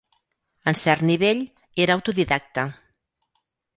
En cert nivell, era autodidacta.